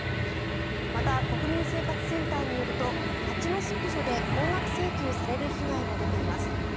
また国民生活センターによると蜂の巣駆除で高額請求される被害も出ています。